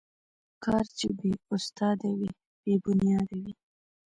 کار چې بې استاد وي، بې بنیاد وي.